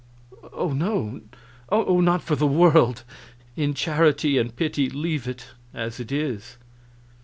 "Oh no! Oh, not for the world! In charity and pity leave it as it is."